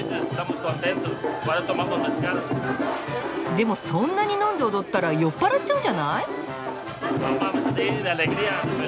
でもそんなに飲んで踊ったら酔っ払っちゃうんじゃない！？